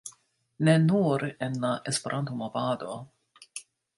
... ne nur en la Esperanto-movado